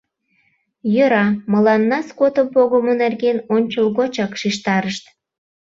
Йӧра, мыланна скотым погымо нерген ончылгочак шижтарышт.